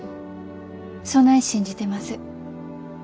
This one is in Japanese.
そない信じてます。